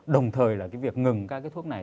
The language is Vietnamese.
đồng thời là cái việc ngừng các cái thuốc này